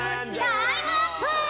タイムアップ！